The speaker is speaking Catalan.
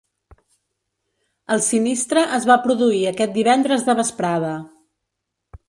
El sinistre es va produir aquest divendres de vesprada.